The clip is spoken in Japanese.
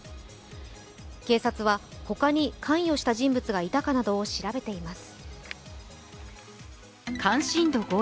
警察は他に関与した人物がいたかなどを調べています。